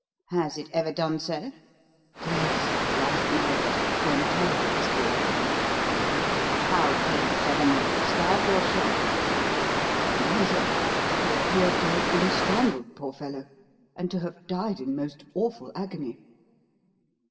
"Has it ever done so?" "Yes last night, when Tolliver was killed." "How killed, Sir Henry? Stabbed or shot?" "Neither. He appeared to have been strangled, poor fellow, and to have died in most awful agony."